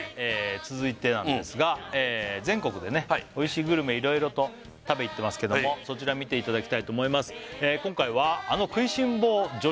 続いてなんですが全国で美味しいグルメいろいろと食べ行ってますけどもそちら見ていただきたいと思います